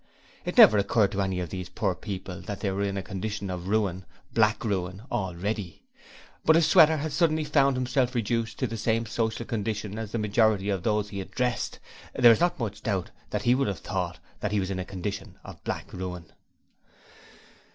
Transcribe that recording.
It never occurred to any of these poor people that they were in a condition of Ruin, Black Ruin, already. But if Sweater had suddenly found himself reduced to the same social condition as the majority of those he addressed, there is not much doubt that he would have thought that he was in a condition of Black Ruin.